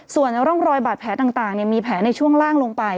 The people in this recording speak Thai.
ส่วนร่องรอยบาดแผลต่างมีแผลในช่วงล่างลงไป